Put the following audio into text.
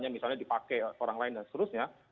yang misalnya dipakai orang lain dan seterusnya